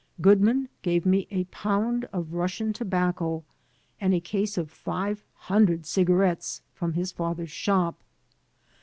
Goodman gave me a poimd of Russian tobacco and a case of five himdred cigarettes from his father's shop.